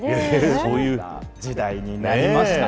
そういう時代になりました。